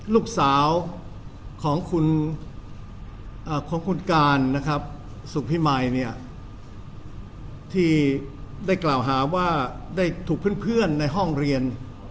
ลูกสาวของคุณอ่าของคุณการนะครับสุขพี่มัยเนี่ยที่ได้กล่าวหาว่าได้ถูกเพื่อนเพื่อนในห้องเรียน